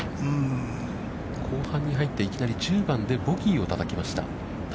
後半に入って、いきなり１０番でボギーをたたきました。